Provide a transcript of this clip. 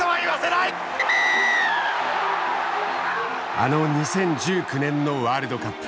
あの２０１９年のワールドカップ。